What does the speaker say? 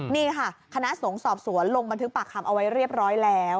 นี่ค่ะคณะสงฆ์สอบสวนลงบันทึกปากคำเอาไว้เรียบร้อยแล้ว